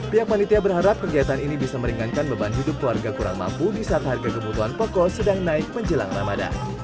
pihak manitia berharap kegiatan ini bisa meringankan beban hidup keluarga kurang mampu di saat harga kebutuhan pokok sedang naik menjelang ramadan